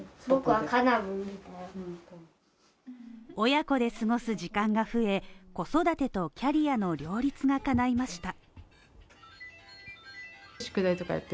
親子で過ごす時間が増え、子育てとキャリアの両立が叶いました。